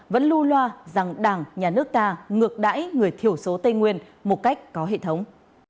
vẫn lưu loa rằng đảng nhà nước ta ngược đáy người thiểu số tây nguyên một cách có hệ thống